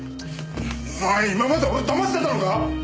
お前今まで俺を騙してたのか？